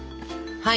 はい！